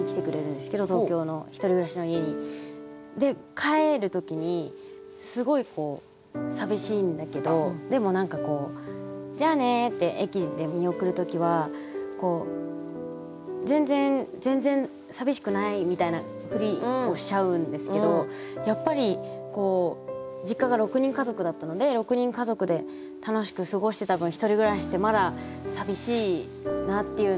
帰る時にすごいこう寂しいんだけどでも何かこう「じゃあね」って駅で見送る時は全然全然寂しくないみたいなふりをしちゃうんですけどやっぱり実家が６人家族だったので６人家族で楽しく過ごしてた分１人暮らしってまだ寂しいなっていうのを。